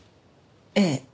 ええ。